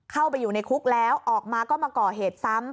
เข้าไปอยู่ในคุกแล้วออกมาก็มาก่อเหตุซ้ำ